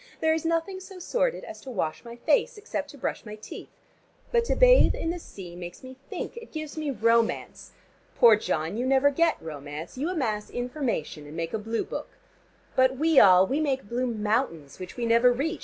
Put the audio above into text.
There is nothing so sordid as to wash my face, except to brush my teeth. But to bathe in the sea makes me think: it gives me romance. Poor John, you never get romance. You amass information, and make a Blue Book. But we all, we make blue mountains, which we never reach.